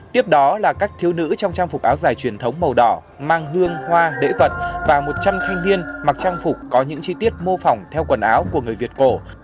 tiếp đó là các thiếu nữ trong trang phục áo dài truyền thống màu đỏ mang hương hoa lễ vật và một trăm linh thanh niên mặc trang phục có những chi tiết mô phỏng theo quần áo của người việt cổ